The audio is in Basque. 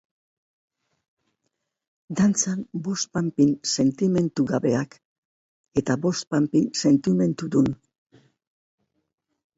Dantzan, bost panpin sentimentugabeak, eta bost panpin sentimentudun.